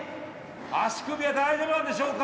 足首は大丈夫なんでしょうか？